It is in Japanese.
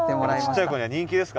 ちっちゃい子には人気ですか？